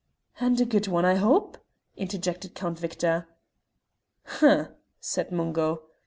"And a good one, I hope?" interjected Count Victor. "Humph!" said Mungo.